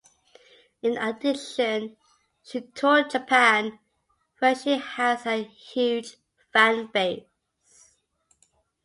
In addition, she toured Japan, where she has a huge fanbase.